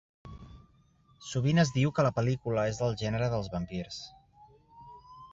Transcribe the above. Sovint es diu que la pel·lícula és del gènere dels vampirs.